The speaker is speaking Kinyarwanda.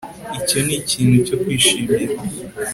Icyo ni ikintu cyo kwishimira